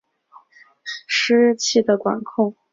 湿气的管控是与产品的良率是息息相关的。